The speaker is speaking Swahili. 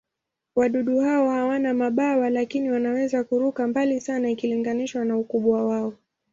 Wadudu hao hawana mabawa, lakini wanaweza kuruka mbali sana ikilinganishwa na ukubwa wao.